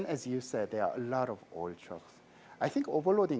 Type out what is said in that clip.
dan seperti yang anda katakan ada banyak kendaraan yang mengisi kelebihan